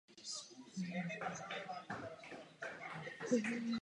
Položil základ k městské obci a byl pravým otcem svým poddaným.